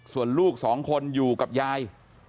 ส่วนลูกสองคนอยู่กับยาย